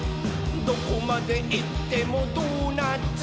「どこまでいってもドーナツ！」